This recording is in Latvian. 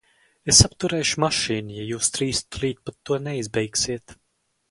Es apturēšu mašīnu, ja jūs trīs tūlīt pat to neizbeigsiet!